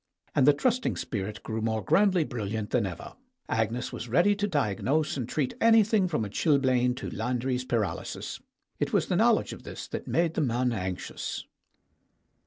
And the trusting spirit grew more grandly bril liant than ever; Agnes was ready to diagnose and treat anything from a chilblain to Landry's paralysis. It was the knowledge of this that made the man anxious.